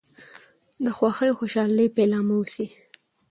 د خوښۍ او خوشحالی پيلامه اوسي .